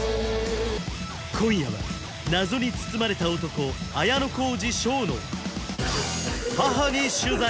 今夜は謎に包まれた男綾小路翔の母に取材！